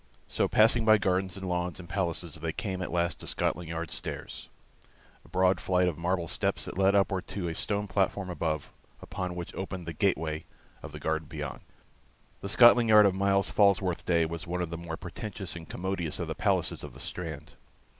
So passing by gardens and lawns and palaces, they came at last to Scotland Yard stairs, a broad flight of marble steps that led upward to a stone platform above, upon which opened the gate way of the garden beyond. The Scotland Yard of Myles Falworth's day was one of the more pretentious and commodious of the palaces of the Strand.